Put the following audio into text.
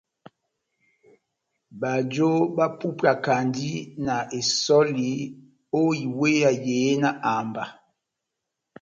Bajo bapupwakandi na besὸli ó iweya yehé na amba.